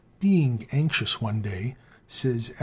"Being anxious one day," says A.